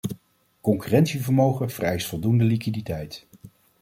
Concurrentievermogen vereist voldoende liquiditeit.